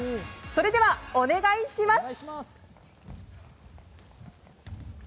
それではお願いします！